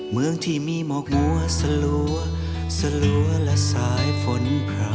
เมืองที่มีหมอกหัวสลัวสลัวและสายฝนพา